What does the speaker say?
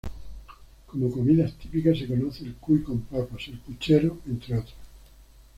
Como comidas típicas se conoce el cuy con papas, el "puchero" entre otros.